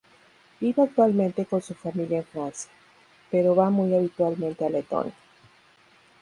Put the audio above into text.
Vive actualmente con su familia en Francia, pero va muy habitualmente a Letonia.